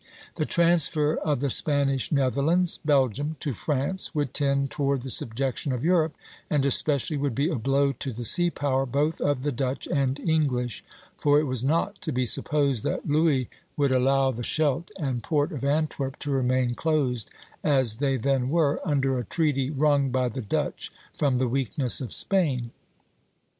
The transfer of the Spanish Netherlands (Belgium) to France would tend toward the subjection of Europe, and especially would be a blow to the sea power both of the Dutch and English; for it was not to be supposed that Louis would allow the Scheldt and port of Antwerp to remain closed, as they then were, under a treaty wrung by the Dutch from the weakness of Spain.